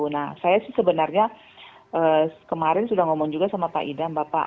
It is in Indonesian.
nah saya sih sebenarnya kemarin sudah ngomong juga sama pak idam bapak